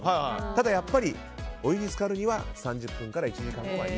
ただやっぱり、お湯につかるには３０分から１時間後がいい。